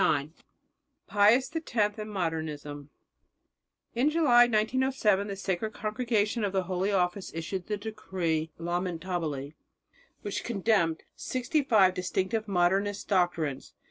IX PIUS X AND MODERNISM In July 1907 the Sacred Congregation of the Holy Office issued the decree "Lamentabili," which condemned sixty five distinctive Modernist doctrines.